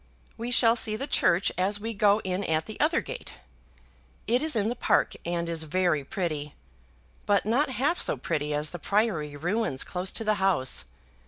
We shall see the church as we go in at the other gate. It is in the park, and is very pretty, but not half so pretty as the priory ruins close to the house.